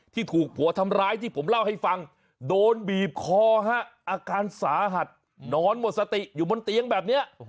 ถูกผัวทำร้ายที่ผมเล่าให้ฟังโดนบีบคอฮะอาการสาหัสนอนหมดสติอยู่บนเตียงแบบนี้